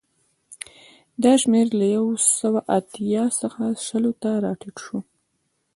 دا شمېر له یو سوه اتیا څخه شلو ته راټیټ شو